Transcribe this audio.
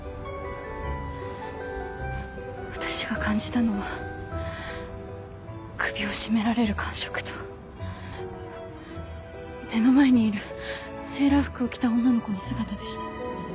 私が感じたのは首を絞められる感触と目の前にいるセーラー服を着た女の子の姿でした。